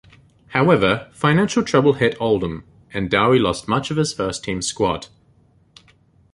However, financial trouble hit Oldham and Dowie lost much of his first team squad.